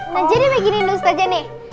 nah jadi begini nih ustazah nih